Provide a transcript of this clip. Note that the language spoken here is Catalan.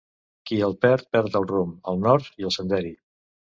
Qui el perd, perd el rumb, el nord i el senderi.